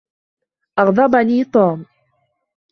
أغضبني توم.